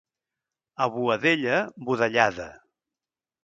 A Boadella, budellada.